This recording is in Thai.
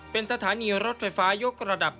เป็นสถานีรถไฟฟ้ายกระดับ